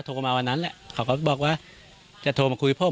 มาวันนั้นแหละเขาก็บอกว่าจะโทรมาคุยผม